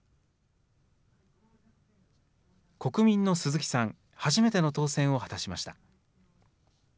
国民の鈴木さん、初めての当選を果たしました。